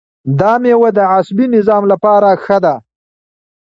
دا میوه د عصبي نظام لپاره ښه ده.